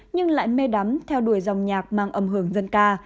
nhưng lại mê đắm theo đuổi dòng nhạc mang âm hưởng dân ca